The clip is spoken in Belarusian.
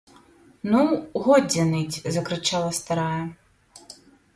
- Ну, годзе ныць! - закрычала старая